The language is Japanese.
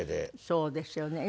そうですよね。